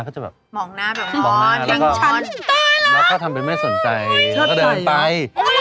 เราจะทำทุกอย่างให้ได้